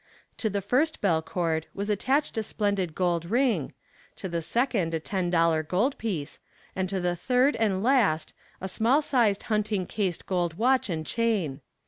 To the first bell cord was attached a splendid gold ring, to the second a ten dollar gold piece, and to the third and last a small sized hunting cased gold watch and chain.